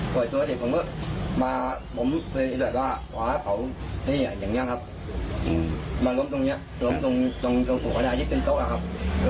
กล่อยตัวเสร็จผมก็มาผมเคยแบบว่าเขาเนี่ยอย่างเงี้ยครับ